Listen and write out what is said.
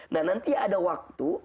nah nanti ada waktu